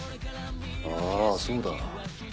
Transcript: あそうだ。